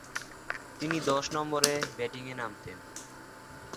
তিনি দশ নম্বরে ব্যাটিংয়ে নামতেন।